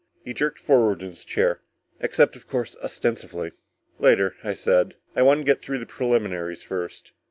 He jerked forward in his chair, "Except, of course, ostensively." "Later," I said. I wanted to get through the preliminaries first.